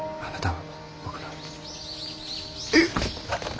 えっ！？